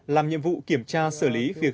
làm nhiệm vụ kiểm tra xử lý việc